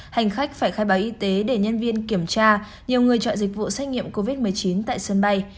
hành khách phải khai báo y tế để nhân viên kiểm tra nhiều người chọn dịch vụ xét nghiệm covid một mươi chín tại sân bay